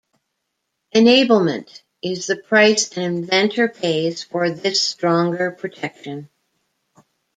Enablement is the price an inventor pays for this stronger protection.